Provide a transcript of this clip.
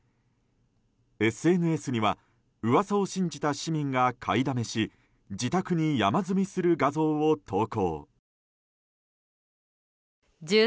ＳＮＳには噂を信じた市民が買いだめし自宅に山積みする画像を投稿。